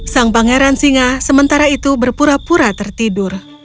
sang pangeran singa sementara itu berpura pura tertidur